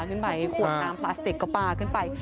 ขึ้นไปขวดน้ำพลาสติกก็ปลาขึ้นไป